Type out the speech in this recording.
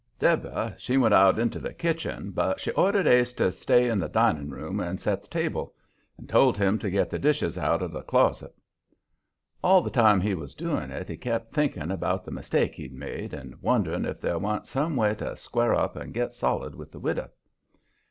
Deborah, she went out into the kitchen, but she ordered Ase to stay in the dining room and set the table; told him to get the dishes out of the closet. All the time he was doing it he kept thinking about the mistake he'd made, and wondering if there wa'n't some way to square up and get solid with the widow.